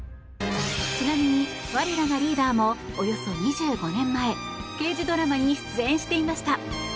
ちなみに、我らがリーダーもおよそ２５年前刑事ドラマに出演していました。